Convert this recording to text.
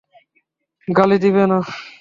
গালি দিবে না।